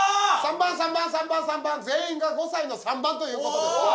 ３番３番３番３番全員が５歳の３番ということですが